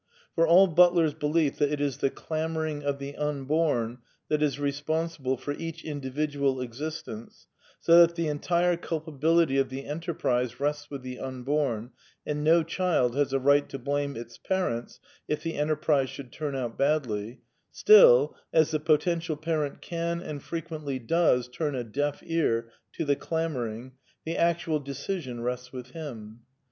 For all Butler's belief that it is " the clamouring of the unborn " that is responsible for each individual exist ence, so that the entire culpability of the enterprise rests with the unborn, and no child has a right to blame its parents if the enterprise should turn out badly, still, as the potential parent can and frequently does turn a deaf ear to the clamouring, the actual decision rests with him.